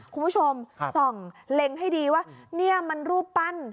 คุณผู้ชมส่องเล็งให้ดีว่านี่มันรูปปั้น